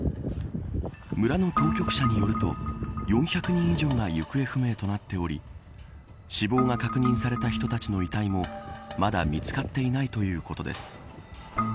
村の当局者によると４００人以上が行方不明となっており死亡が確認された人たちの遺体もまだ見つかっていないということです。